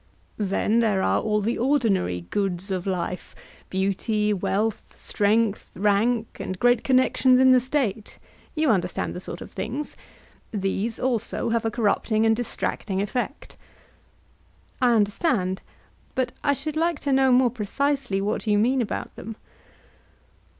Then there are all the ordinary goods of life—beauty, wealth, strength, rank, and great connections in the State—you understand the sort of things—these also have a corrupting and distracting effect. I understand; but I should like to know more precisely what you mean about them.